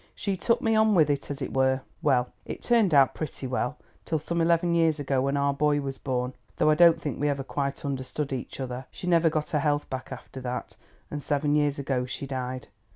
She took me on with it, as it were. Well, it turned out pretty well, till some eleven years ago, when our boy was born, though I don't think we ever quite understood each other. She never got her health back after that, and seven years ago she died.